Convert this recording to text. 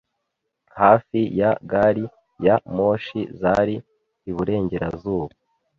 Hafi ya gari ya moshi zari iburengerazuba.